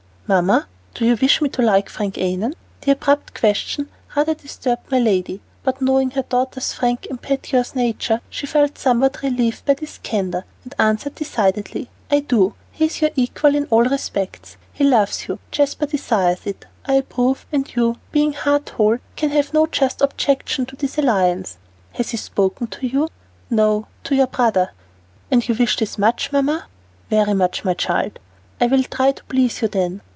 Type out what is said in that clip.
"Mamma, do you wish me to like Frank Annon?" The abrupt question rather disturbed my lady, but knowing her daughter's frank, impetuous nature, she felt somewhat relieved by this candor, and answered decidedly, "I do. He is your equal in all respects; he loves you, Jasper desires it, I approve, and you, being heart whole, can have no just objection to the alliance." "Has he spoken to you?" "No, to your brother." "You wish this much, Mamma?" "Very much, my child." "I will try to please you, then."